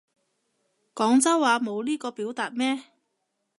廣州話冇呢個表達咩